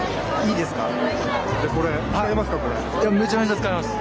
いいですか？